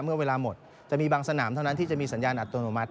เมื่อเวลาหมดจะมีบางสนามเท่านั้นที่จะมีสัญญาณอัตโนมัติ